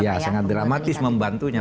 iya sangat dramatis membantunya